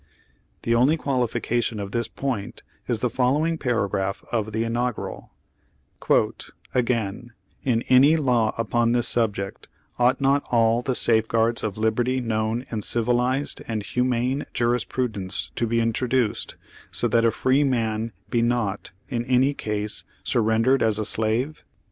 The only qualification of this point is the following paragraph of the inaugural : "Again, in any law upon this subject, ought not all the safeguards of liberty known in civilized and humane juris prudence to be introduced, so that a free man be not, in any case, surrendered as a slave?